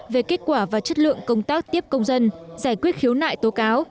về kết quả và chất lượng công tác tiếp công dân giải quyết khiếu nại tố cáo